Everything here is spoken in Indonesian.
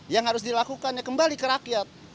yang harus dilakukannya kembali ke rakyat